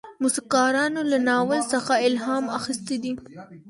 موسیقارانو له ناول څخه الهام اخیستی دی.